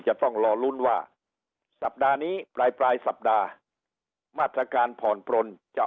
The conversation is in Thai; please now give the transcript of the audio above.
จะต้องรอลุ้นว่าสัปดาห์นี้ปลายปลายสัปดาห์มาตรการผ่อนปลนจะ